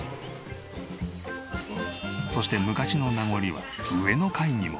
そして昔の名残は上の階にも。